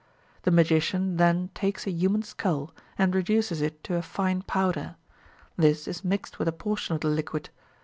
The magician then takes a human skull, and reduces it to a fine powder. This is mixed with a portion of the liquid.